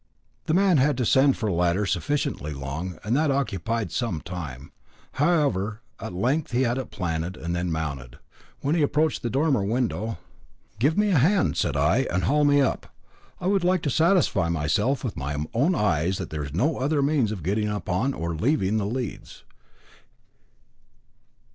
The man had to send for a ladder sufficiently long, and that occupied some time. However, at length he had it planted, and then mounted. When he approached the dormer window "Give me a hand," said I, "and haul me up; I would like to satisfy myself with my own eyes that there is no other means of getting upon or leaving the leads."